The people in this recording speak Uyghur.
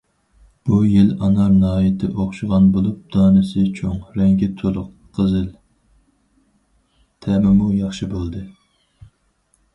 بۇ يىل ئانار ناھايىتى ئوخشىغان بولۇپ، دانىسى چوڭ، رەڭگى توق قىزىل، تەمىمۇ ياخشى بولدى.